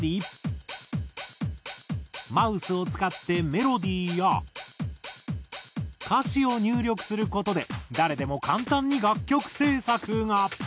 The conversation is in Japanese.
マウスを使ってメロディーや歌詞を入力する事で誰でも簡単に楽曲制作が。